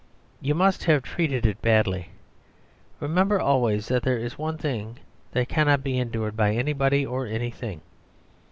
'You must have treated it badly. Remember always that there is one thing that cannot be endured by anybody or anything.